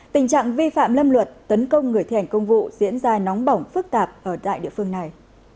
tình trạng vi phạm lâm luật tấn công người thi hành công vụ diễn ra nóng bỏng phức tạp ở tại địa phương này